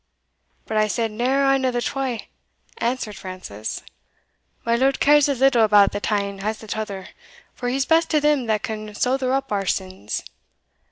"But I said neer ane o' the twa," answered Francis; "my lord cares as little about the tane as the tother for he's best to them that can souther up our sins.